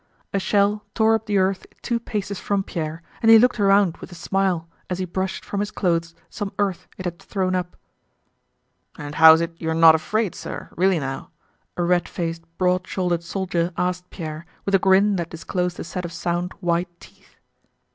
A shell tore up the earth two paces from Pierre and he looked around with a smile as he brushed from his clothes some earth it had thrown up. "And how's it you're not afraid, sir, really now?" a red faced, broad shouldered soldier asked Pierre, with a grin that disclosed a set of sound, white teeth.